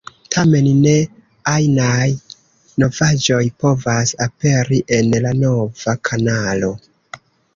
Tamen, ne ajnaj novaĵoj povas aperi en la nova kanalo.